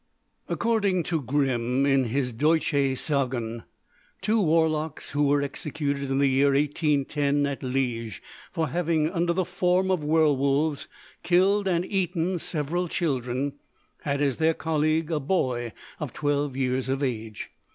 According to Grimm, in his "Deutsche Sagen," two warlocks who were executed in the year 1810 at Liége for having, under the form of werwolves, killed and eaten several children, had as their colleague a boy of twelve years of age.